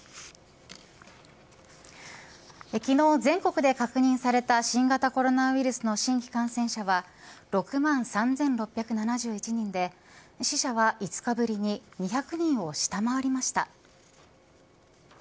昨日、全国で確認された新型コロナウイルスの新規感染者は６万３６７１人で死者は５日ぶりに２００人を下回りました。